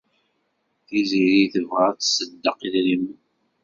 Tiziri tebɣa ad tṣeddeq idrimen.